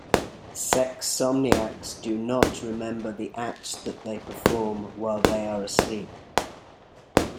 Sexsomniacs do not remember the acts that they perform while they are asleep.